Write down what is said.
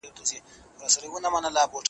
یا دی نه وي یا زه